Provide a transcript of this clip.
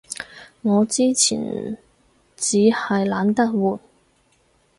我之前衹係懶得換